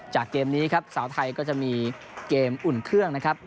เกมนี้ครับสาวไทยก็จะมีเกมอุ่นเครื่องนะครับ